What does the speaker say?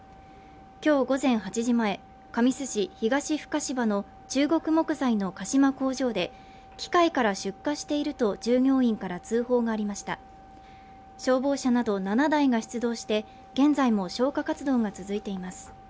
今日午前８時前神栖市東深芝の中国木材の鹿島工場で機械から出火していると従業員から通報がありました消防車など７台が出動して現在も消火活動が続いています